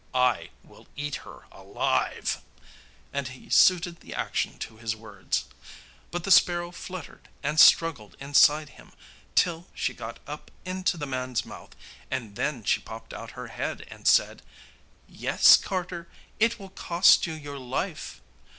I will eat her alive;' and he suited the action to his words. But the sparrow fluttered and struggled inside him till she got up into the man's mouth, and then she popped out her head and said: 'Yes, carter, it will cost you your life.